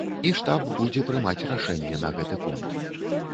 І штаб будзе прымаць рашэнне на гэты конт.